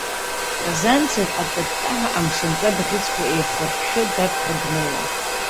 Казанцев атта-ттаҳәа амшынҵа бӷьыцқәа еихыршәшәо даԥхьо днеиуан.